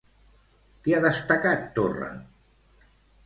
Què ha destacat Torra?